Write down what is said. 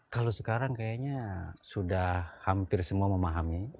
kalau sekarang kayaknya sudah hampir semua memahami